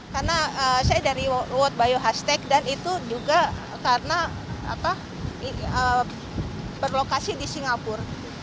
karena saya dari world bio hashtag dan itu juga karena berlokasi di singapura